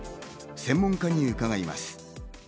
専門家に伺います。